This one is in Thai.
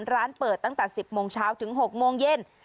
ร้านเปิดตั้งแต่๑๐โมงเช้าถึง๖โมงเย็น